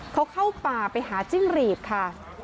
เขาเข้าป่าไปหาจิ้งหรีดค่ะ